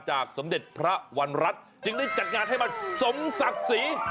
สมเด็จพระวันรัฐจึงได้จัดงานให้มันสมศักดิ์ศรี